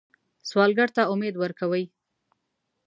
سوالګر ته امید ورکوئ